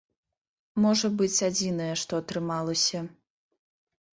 Можа быць, адзінае, што атрымалася.